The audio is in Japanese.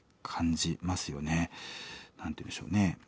何て言うんでしょうね